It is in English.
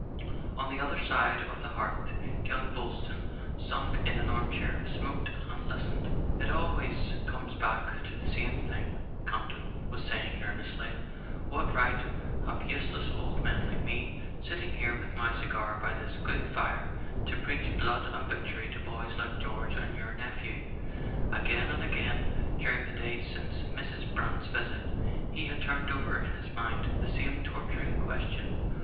On the other side of the hearth young Boylston, sunk in an armchair, smoked and listened. "It always comes back to the same thing," Camp ton was saying nervously. "What right have useless old men like me, sitting here with my cigar by this good fire, to preach blood and butchery to boys like George and your nephew ?" Again and again, during the days since Mrs. Brant's visit, he had turned over in his mind the same torturing question.